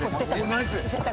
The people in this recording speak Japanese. ナイス！